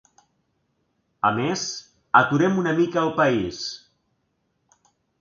A més, aturem una mica el país.